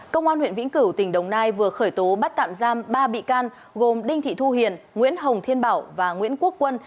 công an huyện vĩnh cửu tỉnh đồng nai vừa khởi tố bắt tạm giam ba bị can gồm đinh thị thu hiền nguyễn hồng thiên bảo và nguyễn quốc quân